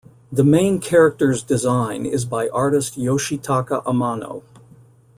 The main character's design is by artist Yoshitaka Amano.